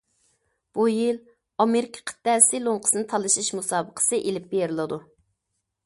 بۇ يىل ئامېرىكا قىتئەسى لوڭقىسىنى تالىشىش مۇسابىقىسى ئېلىپ بېرىلىدۇ.